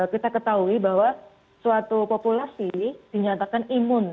kita ketahui bahwa suatu populasi dinyatakan imun